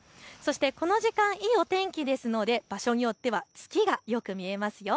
この時間、いいお天気ですので場所によっては月がよく見えますよ。